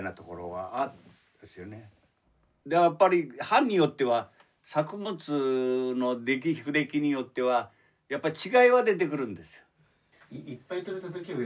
班によっては作物の出来不出来によってはやっぱり違いは出てくるんですよ。